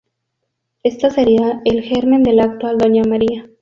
Esto sería el germen de la actual Doña María.